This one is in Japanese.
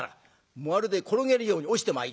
まるで転げるように落ちてまいりました。